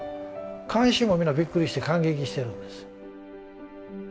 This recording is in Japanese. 観衆も皆びっくりして感激してるんです。